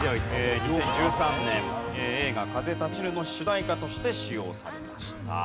２０１３年映画『風立ちぬ』の主題歌として使用されました。